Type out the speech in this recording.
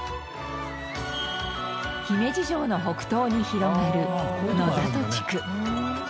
姫路城の北東に広がる野里地区。